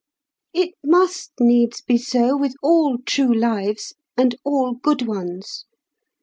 It must needs be so with all true lives, and all good ones.